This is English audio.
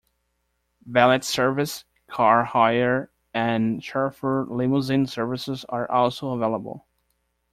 Valet service, car hire, and chauffeur limousine services are also available.